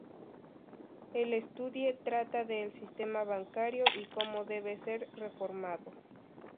El estudie trata de el sistema bancario y cómo debe ser reformado.